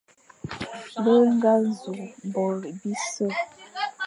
Be ñga nẑu bo bise,